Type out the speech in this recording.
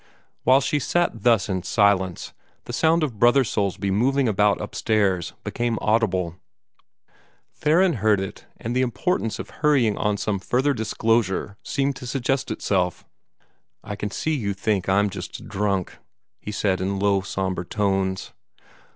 While she sat thus in silence, the sound of Brother Soulsby moving about upstairs became audible. Theron heard it, and the importance of hurrying on some further disclosure seemed to suggest itself. "I can see you think I'm just drunk," he said, in low, sombre tones.